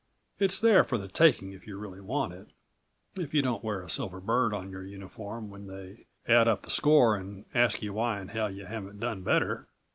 It's there for the taking if you really want it, if you don't wear a silver bird on your uniform when they add up the score and ask you why in hell you haven't done better?